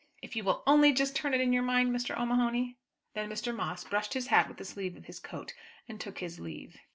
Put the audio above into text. If you will only just turn it in your mind, Mr. O'Mahony." Then Mr. Moss brushed his hat with the sleeve of his coat and took his leave.